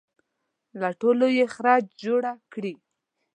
له ټولو یې خره جوړ کړي.